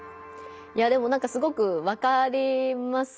いやでもなんかすごくわかりますね。